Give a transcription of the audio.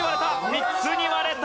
３つに割れた！